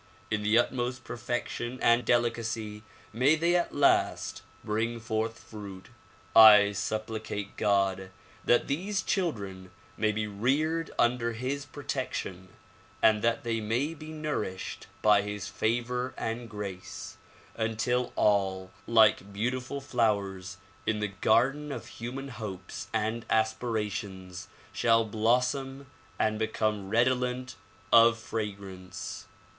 In the utmost perfection and delicacy may they at last bring forth fruit. I supplicate God that these children may be reared under his protection and that they may be nourished by his favor and grace until all, like beautiful flowers in the garden of human hopes and aspirations, shall blossom and become redolent of fragrance.